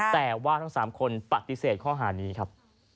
แต่ว่าทั้ง๓คนปฏิเสธข้อหานี้ครับ